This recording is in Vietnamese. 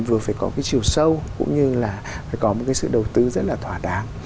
vừa phải có cái chiều sâu cũng như là phải có một cái sự đầu tư rất là thỏa đáng